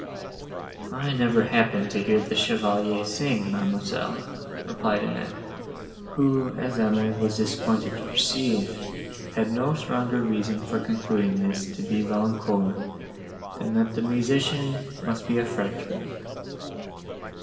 "I never happened to hear the Chevalier sing, Mademoiselle," replied Annette, who, as Emily was disappointed to perceive, had no stronger reason for concluding this to be Valancourt, than that the musician must be a Frenchman.